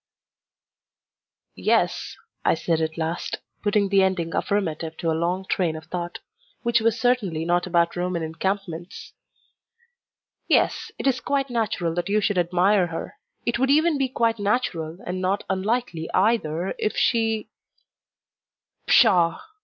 "Yes," I said at last, putting the ending affirmative to a long train of thought, which was certainly not about Roman encampments; "yes, it is quite natural that you should admire her. It would even be quite natural, and not unlikely either, if she " "Pshaw!"